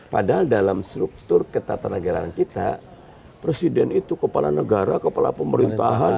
padahal dalam struktur ketatanegaraan kita presiden itu kepala negara kepala pemerintahan